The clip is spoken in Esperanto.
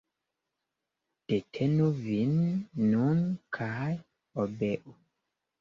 Detenu vin nun kaj obeu.